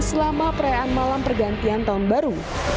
selama perayaan malam pergantian tahun baru